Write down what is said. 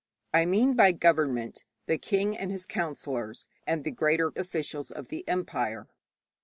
I mean by 'government' the king and his counsellors and the greater officials of the empire.